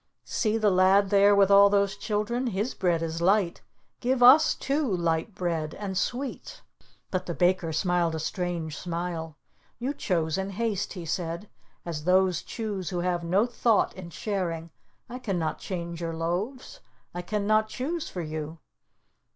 "See the lad there with all those children. His bread is light. Give us, too, light bread and sweet." But the Baker smiled a strange smile. "You chose in haste," he said, "as those choose who have no thought in sharing. I can not change your loaves. I can not choose for you.